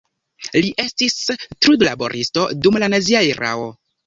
Li estis trudlaboristo dum la nazia erao.